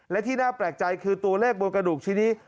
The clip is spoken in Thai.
และที่น่าแปลกใจคือตัวเลขบนกระดูกชิ้นนี้